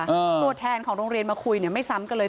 ตัวแทนของโรงเรียนมาคุยเนี่ยไม่ซ้ำกันเลย